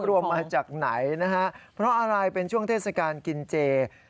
รวมมาจากไหนนะฮะเพราะอะไรเป็นช่วงเทศกาลกินเจ